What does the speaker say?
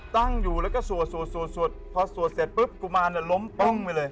ตั้งอยู่แล้วก็สวดพอสวดเสร็จปุ๊บกุมารล้มป้องไปเลย